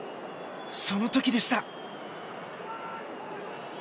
その時でした。